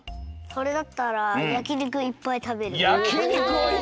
おれだったらやきにくをいっぱいたべる！